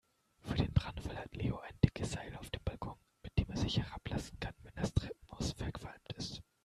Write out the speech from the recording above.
Für den Brandfall hat Leo ein dickes Seil auf dem Balkon, mit dem er sich herablassen kann, wenn das Treppenhaus verqualmt ist.